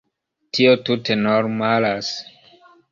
Tio tute normalas.